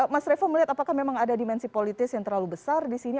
mas revo melihat apakah memang ada dimensi politis yang terlalu besar di sini